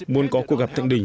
muốn có cuộc gặp thượng đỉnh